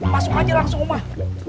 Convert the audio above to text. masuk aja langsung mah